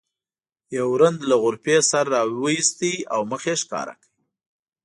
یو رند له غرفې سر راوویست او مخ یې ښکاره کړ.